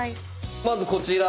まずこちら。